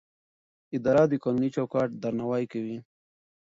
اداره د قانوني چوکاټ درناوی کوي.